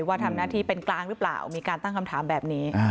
ว่าทำหน้าที่เป็นกลางหรือเปล่ามีการตั้งคำถามแบบนี้